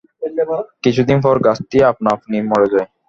কিছুদিন পর গাছটি আপনা-আপনি মরে যায়।